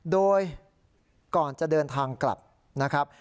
โดยก่อนจะเดินทางกลับนะครับ